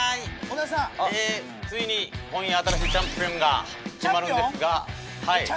ついに今夜新しいチャンポンが決まるんですが。